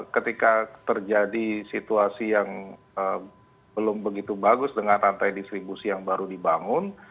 ketika terjadi situasi yang belum begitu bagus dengan rantai distribusi yang baru dibangun